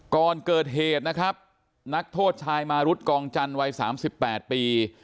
ก่อนเกิดเหตุนะครับนักโทษชายมารุธกองจันทร์วัย๓๘ปี